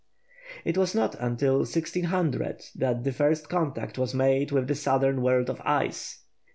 It was not until 1600 that the first contact was made with the southern world of ice.